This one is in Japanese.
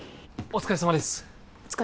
お疲れさまです